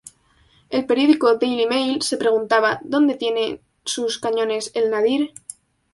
El periódico Daily Mail se preguntaba: ¿Dónde tiene sus cañones el Nadir?